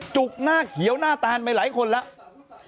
จุกหน้าเขียวหน้าตานไปหลายคนแล้ว